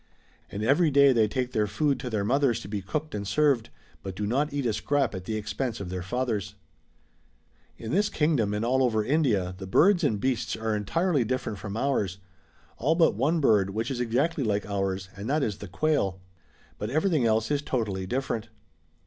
And every day they take their food to their mothers to be cooked and served, but do not eat a scrap at the expense of their fathers.] In this kingdom and all over India the birds and beasts are entirely different from ours, all but one bird which is exactly like ours, and that is the Quail. But everything else is totally different.